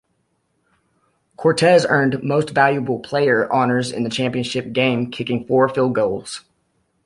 Cortez earned Most Valuable Player honors in the championship game, kicking four field goals.